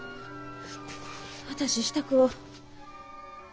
私支度を。